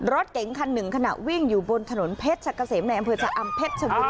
รถเก่งคันหนึ่งขนาดวิ่งอยู่บนถนนเพชรเกษมแห่งบริษัทอำเภษชะบุริน่า